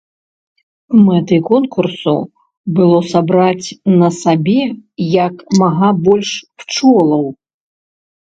Мэтай конкурсу было сабраць на сабе як мага больш пчолаў.